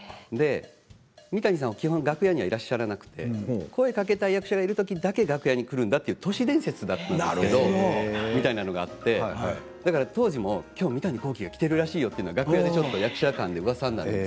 三谷さんは基本楽屋にはいらっしゃらなくて声をかけたい役者がいる時だけ楽屋に来るという都市伝説だったんですけどそういうのがあってだから当時も今日三谷幸喜が来ているらしいよと楽屋で役者間でうわさになるんです。